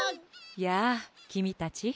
やあきみたち。